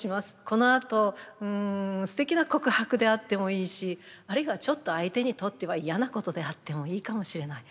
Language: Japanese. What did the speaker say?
このあとうんすてきな告白であってもいいしあるいはちょっと相手にとっては嫌なことであってもいいかもしれない。